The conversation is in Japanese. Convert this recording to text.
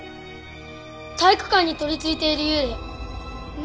体育館にとりついている幽霊。